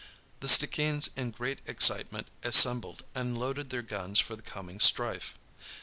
The Stickeens in great excitement assembled and loaded their guns for the coming strife.